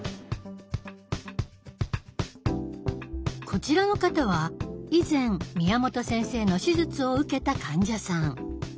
こちらの方は以前宮本先生の手術を受けた患者さん。